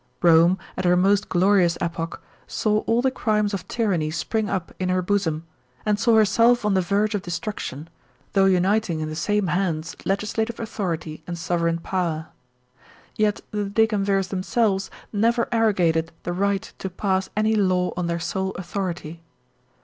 Rome, at her most glorious epoch, saw all the crimes of tyranny spring up in her bosom, and saw herself on the verge of destruction, though uniting in the same hands legislative authority and sovereign power. Yet the Decemvirs themselves never arrogated the right to pass any law on their sole authority.